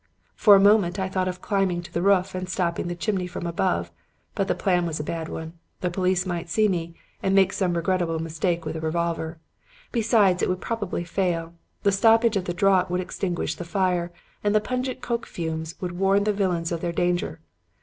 For a moment I thought of climbing to the roof and stopping the chimney from above. But the plan was a bad one. The police might see me and make some regrettable mistake with a revolver. Besides it would probably fail. The stoppage of the draught would extinguish the fire and the pungent coke fumes would warn the villains of their danger.